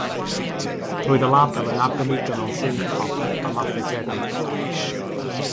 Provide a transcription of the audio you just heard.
Roedd y label yn arbenigo mewn synthpop a mathau tebyg.